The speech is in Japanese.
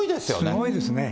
すごいですね。